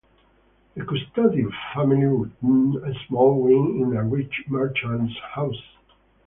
The Kustodiev family rented a small wing in a rich merchant's house.